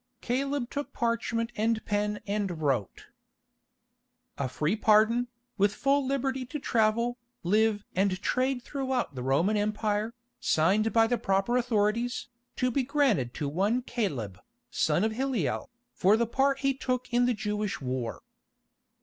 Caleb took parchment and pen and wrote: "A free pardon, with full liberty to travel, live and trade throughout the Roman empire, signed by the proper authorities, to be granted to one Caleb, the son of Hilliel, for the part he took in the Jewish war.